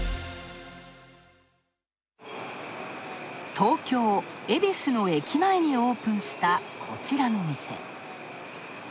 東京・恵比寿の駅前にオープンしたこちらの店。